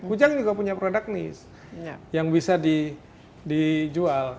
hujan juga punya produk niche yang bisa dijual